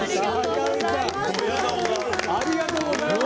ありがとうございます。